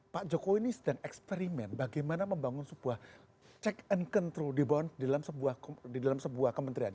pak jokowi ini sedang eksperimen bagaimana membangun sebuah check and control di dalam sebuah kementerian